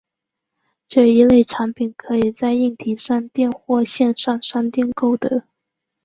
这一类产品可以在硬体商店或线上商店购得。